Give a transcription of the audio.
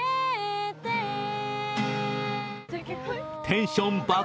テンション爆